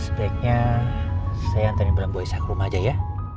sebaiknya saya hantarin bram gue isi aku ke rumah aja ya